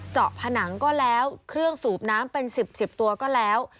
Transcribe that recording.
ผนังก็แล้วเครื่องสูบน้ำเป็น๑๐๑๐ตัวก็แล้ว